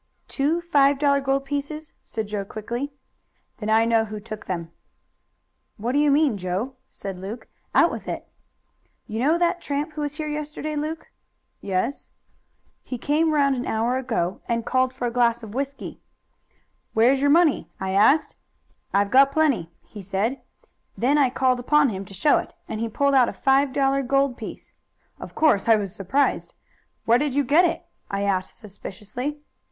"Two five dollar gold pieces?" said Joe quickly. "Then I know who took them." "What do you mean, Joe?" said Luke. "Out with it!" "You know that tramp who was here yesterday, Luke?" "Yes." "He came round an hour ago, and called for a glass of whisky. 'Where is your money?' I asked. 'I've got plenty,' he said. Then I called upon him to show it, and he pulled out a five dollar gold piece. Of course I was surprised. 'Where did you get it?' I asked suspiciously.